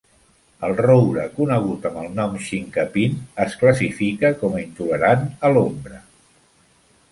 El roure conegut amb el nom Chinkapin es classifica com a intolerant a l'ombra.